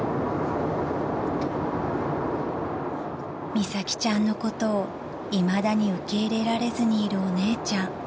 ［美咲ちゃんのことをいまだに受け入れられずにいるお姉ちゃん］